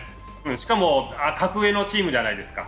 しかも、格上のチームじゃないですか。